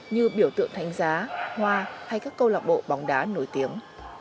như biểu tượng thánh giá hoa hay các câu lạc bộ bóng đá nổi tiếng